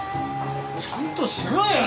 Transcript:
ちゃんとしろよ！